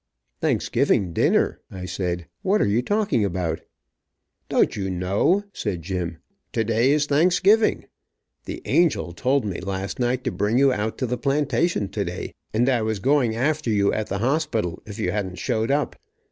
"Thanksgiving dinner," I said. "What are you talking about?" "Don't you know," said Jim, "to day is Thanksgiving? The 'angel' told me last night to bring you out to the plantation to day, and I was going after you at the hospital if you hadn't showed up.